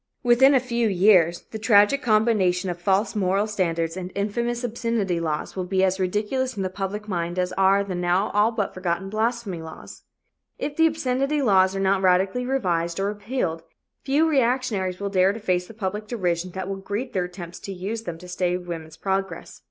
Within a few years the tragic combination of false moral standards and infamous obscenity laws will be as ridiculous in the public mind as are the now all but forgotten blasphemy laws. If the obscenity laws are not radically revised or repealed, few reactionaries will dare to face the public derision that will greet their attempts to use them to stay woman's progress.